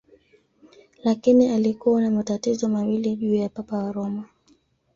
Lakini alikuwa na matatizo mawili juu ya Papa wa Roma.